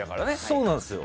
そうなんですよ。